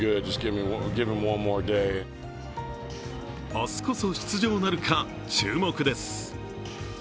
明日こそ出場なるか、注目です。